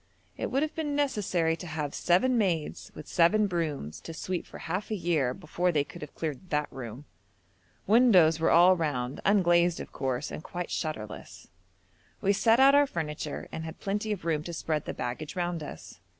It would have been necessary to have 'seven maids with seven brooms to sweep for half a year' before they could have cleared that room. Windows were all round, unglazed of course, and quite shutterless. We set out our furniture and had plenty of room to spread the baggage round us.